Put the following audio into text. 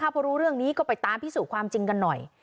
พอรู้เรื่องนี้ก็ไปตามพิสูจน์ความจริงกันหน่อย